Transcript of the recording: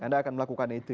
anda akan melakukan itu ya